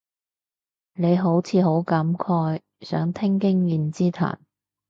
你好似好感慨，想聽經驗之談